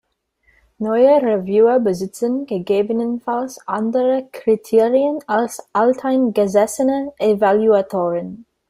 Neue Reviewer besitzen ggf. andere Kriterien als alteingesessene Evaluatoren.